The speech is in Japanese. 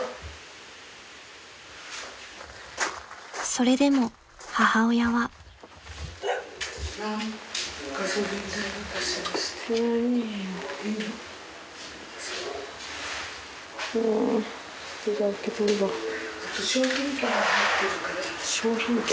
［それでも母親は］商品券？